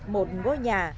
một ngôi nhà